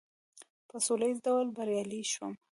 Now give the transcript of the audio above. په سوله ایز ډول بریالی شوم.